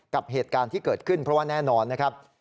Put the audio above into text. กับเหตุการณ์ที่เกิดขึ้นเพราะว่าแน่นอนนะครับ